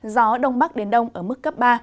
gió đông bắc đến đông ở mức cấp ba